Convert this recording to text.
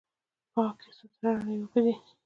پاکې، سوتره، رڼې اوبه دي.